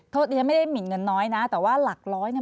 ดิฉันไม่ได้หมินเงินน้อยนะแต่ว่าหลักร้อยเนี่ย